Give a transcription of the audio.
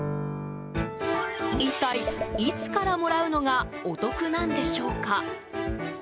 一体、いつからもらうのがお得なんでしょうか。